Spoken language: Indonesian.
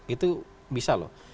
itu bisa loh